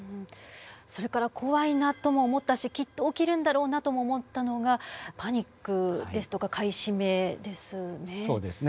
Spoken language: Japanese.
それから怖いなとも思ったしきっと起きるんだろうなとも思ったのがパニックですとか買い占めですね。